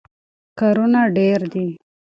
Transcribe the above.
کارونه ډېر دي.